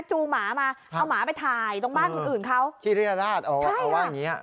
จูหมามาเอาหมาไปถ่ายตรงบ้านคนอื่นเขาเอาว่าเอาว่าอย่างเงี้ย